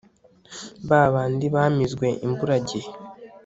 ba bandi bamizwe imburagihe